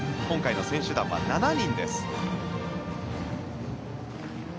今回の選手団は７人です。